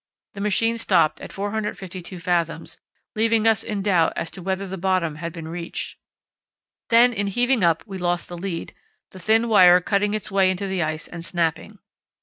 The machine stopped at 452 fathoms, leaving us in doubt as to whether bottom had been reached. Then in heaving up we lost the lead, the thin wire cutting its way into the ice and snapping.